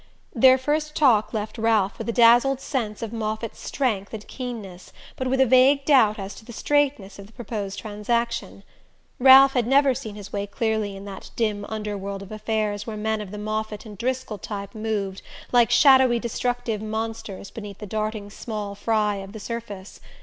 Their first talk left Ralph with a dazzled sense of Moffatt's strength and keenness, but with a vague doubt as to the "straightness" of the proposed transaction. Ralph had never seen his way clearly in that dim underworld of affairs where men of the Moffatt and Driscoll type moved like shadowy destructive monsters beneath the darting small fry of the surface.